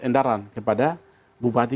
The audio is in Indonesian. endaran kepada bupati